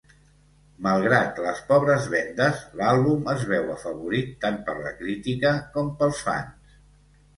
Malgrat les pobres vendes, l'àlbum es veu afavorit tant per la crítica com pels fans.